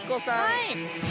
はい！